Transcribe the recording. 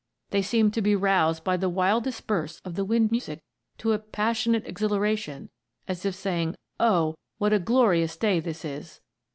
They seemed to be roused by the wildest bursts of the wind music to a "passionate exhilaration," as if saying "Oh, what a glorious day this is!"